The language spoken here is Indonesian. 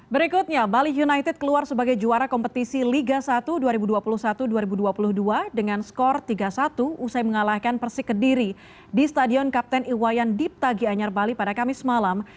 berikutnya bali united keluar sebagai juara kompetisi liga satu dua ribu dua puluh satu dua ribu dua puluh dua dengan skor tiga satu usai mengalahkan persik kediri di stadion kapten iwayan dipta gianyar bali pada kamis malam